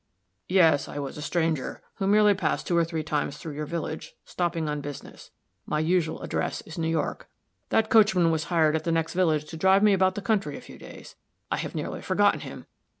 "Yes, I was a stranger, who merely passed two or three times through your village, stopping on business. My usual address is New York. That coachman was hired at the next village to drive me about the country a few days. I have nearly forgotten him.